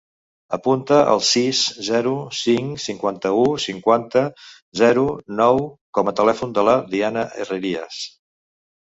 Apunta el sis, zero, cinc, cinquanta-u, cinquanta, zero, nou com a telèfon de la Diana Herrerias.